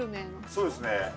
そうですね。